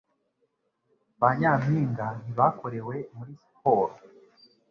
Ba nyampinga ntibakorewe muri siporo.